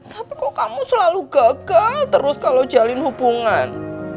tapi kok kamu selalu gagal terus kalau jalin hubungan